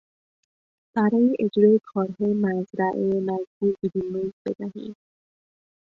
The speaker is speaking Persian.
برای اجرای کارهای مزرعه مجبور بودیم مزد بدهیم.